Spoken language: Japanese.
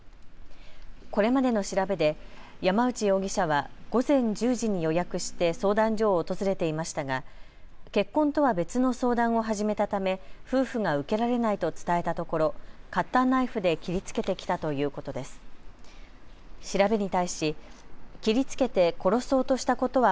これまでの調べで山内容疑者は午前１０時に予約して相談所を訪れていましたが結婚とは別の相談を始めたため、夫婦が受けられないと伝えたところカッターナイフで切りつけてきたということです。